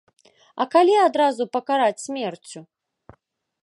А калі адразу пакараць смерцю?!